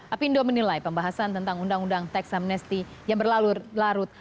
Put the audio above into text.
apindo menilai pembahasan tentang undang undang tax amnesty yang berlarut